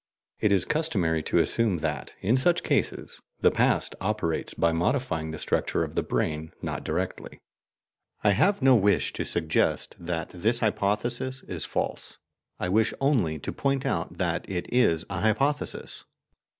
It is customary to assume that, in such cases, the past operates by modifying the structure of the brain, not directly. I have no wish to suggest that this hypothesis is false; I wish only to point out that it is a hypothesis.